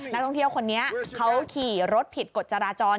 นักท่องเที่ยวคนนี้เขาขี่รถผิดกฎจราจร